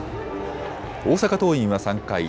大阪桐蔭は３回。